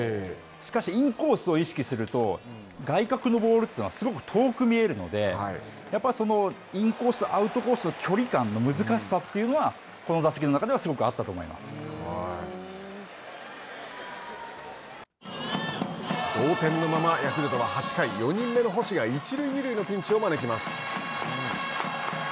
しかし、インコースを意識すると、外角のボールというのは、すごく遠く見えるので、やっぱりインコース、アウトコースの距離感の難しさというのは、この打席の中で同点のままヤクルトは８回４人目の星が、一塁二塁のピンチを招きます。